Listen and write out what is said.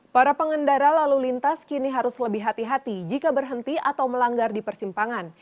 para pengendara lalu lintas kini harus lebih hati hati jika berhenti atau melanggar di persimpangan